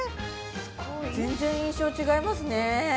全然印象違いますね